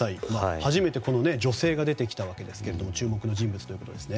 初めて女性が出てきたわけですが注目の人物ということですね。